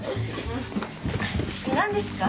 何ですか？